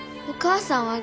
お母さん。